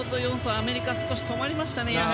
アメリカ少し止まりましたね。